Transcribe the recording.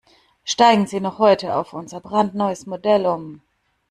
Steigen Sie noch heute auf unser brandneues Modell um!